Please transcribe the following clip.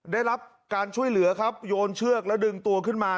ได้รับการช่วยเหลือครับโยนเชือกแล้วดึงตัวขึ้นมา